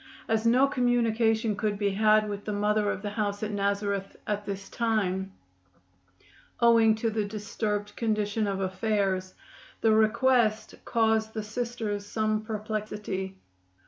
As no communication could be had with the Mother of the house at Nazareth at this time, owing to the disturbed condition of affairs, the request caused the Sisters some perplexity.